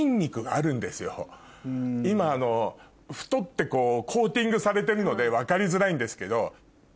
今太ってコーティングされてるので分かりづらいんですけど。